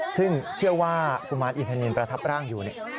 ซึ่งเชื่อว่ากุมารอินทนินประทับร่างอยู่เนี่ย